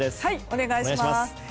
お願いします。